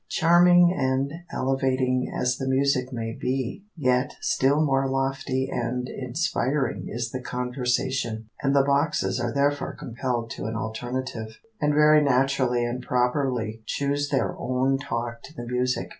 Charming and elevating as the music may be, yet still more lofty and inspiring is the conversation, and the boxes are therefore compelled to an alternative, and very naturally and properly choose their own talk to the music.